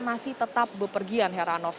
masih tetap berpergian heranov